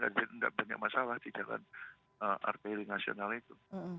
tidak banyak masalah di jalan arteri nasional itu